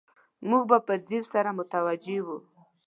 موږ به په ځیر سره متوجه وو.